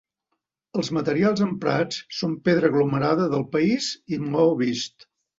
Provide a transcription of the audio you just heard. Els materials emprats són pedra aglomerada del país i maó vist.